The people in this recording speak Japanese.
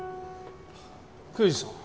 刑事さん。